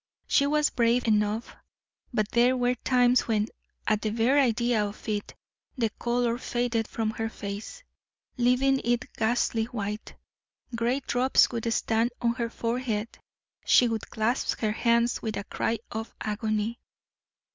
She was brave enough, but there were times when, at the bare idea of it, the color faded from her face, leaving it ghastly white; great drops would stand on her forehead; she would clasp her hands with a cry of agony.